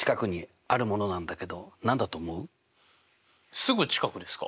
すぐ近くですか？